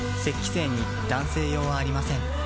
精に男性用はありません